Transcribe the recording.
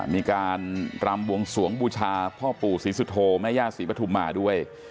มีการรำบวงสวงบูชาพ่อปู่ศรีสุโธแม่ย่าศรีปฐุมมาด้วย